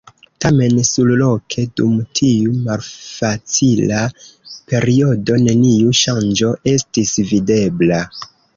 Tamen, surloke, dum tiu malfacila periodo, neniu ŝanĝo estis videbla.